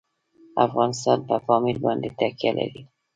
افغانستان په پامیر باندې تکیه لري.